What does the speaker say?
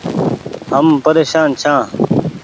هم پريشان ڇآن ۔